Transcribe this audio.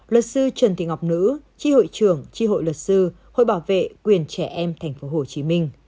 luật sư trần thị ngọc nữ tri hội trưởng tri hội luật sư hội bảo vệ quyền trẻ em tp hcm